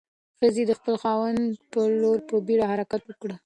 ښځې د خپل خاوند په لور په بیړه حرکت وکړ.